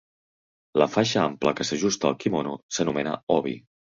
La faixa ampla que s'ajusta al quimono s'anomena obi.